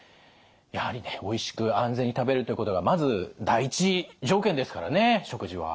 やはりおいしく安全に食べるということがまず第一条件ですからね食事は。